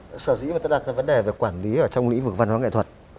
các sở dĩ người ta đặt ra vấn đề về quản lý ở trong lĩnh vực văn hóa nghệ thuật